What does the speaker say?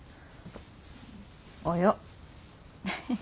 およ。